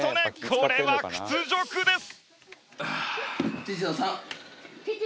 これは屈辱です。